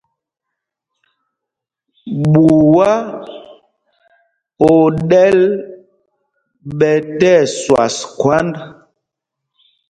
Ɓuá o ɗɛ́l ɓɛ tí ɛsüas khwánd.